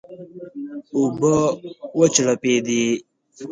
اوبه وچړپېدې.